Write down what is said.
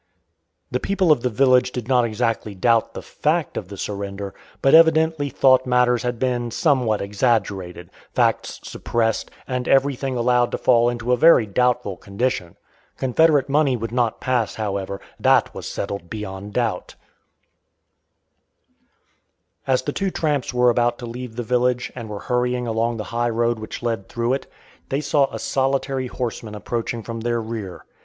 The people of the village did not exactly doubt the fact of the surrender, but evidently thought matters had been somewhat exaggerated, facts suppressed, and everything allowed to fall into a very doubtful condition. Confederate money would not pass, however; that was settled beyond doubt. As the two tramps were about to leave the village, and were hurrying along the high road which led through it, they saw a solitary horseman approaching from their rear.